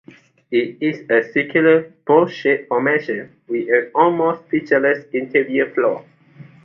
It is a circular, bowl-shaped formation with an almost featureless interior floor.